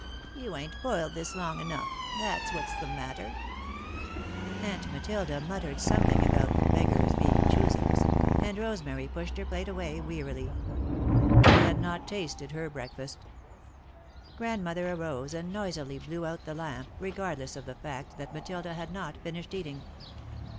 You ain't boiled this long enough that's what's the matter." [Sidenote: The Common Task] Aunt Matilda muttered something about "beggars being choosers," and Rosemary pushed her plate away wearily. She had not tasted her breakfast. Grandmother arose and noisily blew out the lamp, regardless of the fact that Matilda had not finished eating.